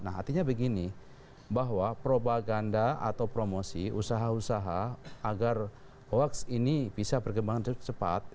nah artinya begini bahwa propaganda atau promosi usaha usaha agar hoax ini bisa berkembang cepat